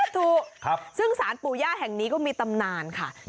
ถูกซึ่งสารปู่ย่าแห่งนี้ก็มีตำนานค่ะ